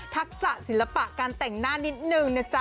ทักษะศิลปะการแต่งหน้านิดนึงนะจ๊ะ